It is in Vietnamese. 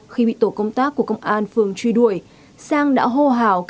khi bị tổ công tác của công an phường truy đuổi sang đã hô hào